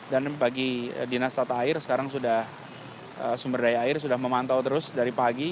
dan bagi dinas tata air sekarang sudah sumber daya air sudah memantau terus dari pagi